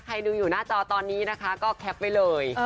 ดูอยู่หน้าจอตอนนี้นะคะก็แคปไว้เลย